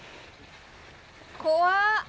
怖っ。